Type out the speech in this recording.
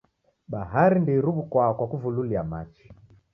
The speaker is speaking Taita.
Bahari ndeiruwukwaa kwa kuvululia machi.